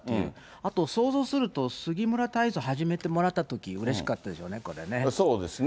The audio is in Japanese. あと想像すると、杉村太蔵、初めてもらったときうれしかったでしそうですね、